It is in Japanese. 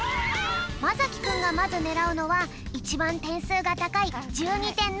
まさきくんがまずねらうのはいちばんてんすうがたかい１２てんのピン。